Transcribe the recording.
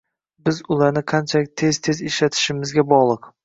biz ularni qanchalik tez-tez ishlatishimizga bog’liq.